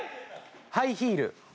ハイヒール。